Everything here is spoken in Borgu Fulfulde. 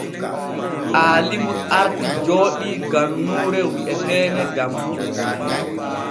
Aalimu arti jooɗii gannuure wi’eteene Dammu.